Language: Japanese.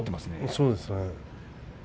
そうですね。